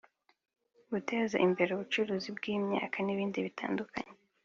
guteza imbere ubucuruzi bw’imyaka n’ibindi bitandukanye